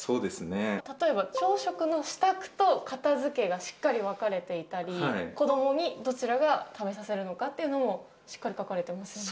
例えば朝食の支度と片付けがしっかり分かれていたり子供にどちらが食べさせるのかというのもしっかり書かれてますね。